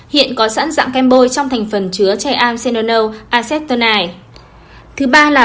hiện có sẵn dạng kem bôi trong thành phần chứa cheamsenonol acetonide